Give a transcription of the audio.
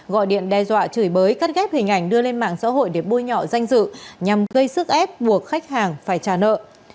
gọi điện đe dọa chửi bới cắt ghép hình ảnh đưa lên mạng xã hội để bôi nhọ danh dự nhằm gây sức ép buộc khách hàng phải trả nợ